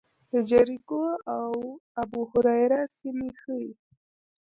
د جریکو او ابوهریره سیمې ښيي.